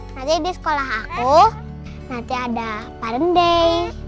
nanti di sekolah aku nanti ada parent day